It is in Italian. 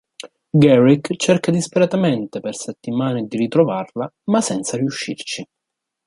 Garrick cerca disperatamente per settimane di ritrovarla, ma senza riuscirci.